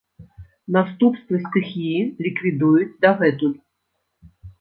Наступствы стыхіі ліквідуюць дагэтуль.